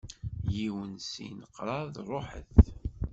Yiwen, sin, kraḍ, ruḥet!